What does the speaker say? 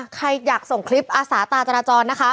ใครอยากส่งคลิปอาสาตาจราจรนะคะ